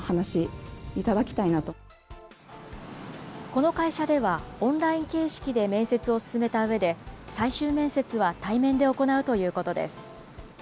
この会社では、オンライン形式で面接を進めたうえで、最終面接は対面で行うということです。